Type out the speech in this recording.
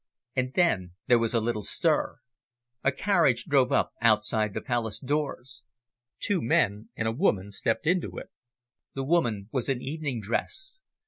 And then there was a little stir. A carriage drove up outside the Palace doors. Two men and a woman stepped into it, the woman was in evening dress.